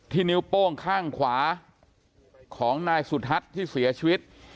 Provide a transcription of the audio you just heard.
นิ้วโป้งข้างขวาของนายสุทัศน์ที่เสียชีวิต